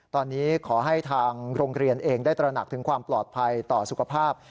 ตอนนี้ขอให้ทางโรงเรียนเองได้ตระหนักถึงความปลอดภัยต่อสุขภาพ